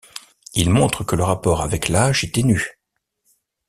Il montre que le rapport avec l'âge est ténu.